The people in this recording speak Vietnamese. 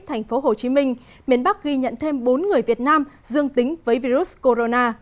thành phố hồ chí minh miền bắc ghi nhận thêm bốn người việt nam dương tính với virus corona